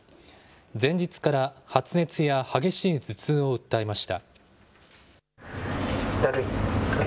前日から、発熱や激しい頭痛を訴えました。